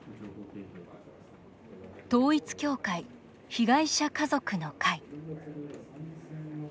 「統一教会被害者家族の会」。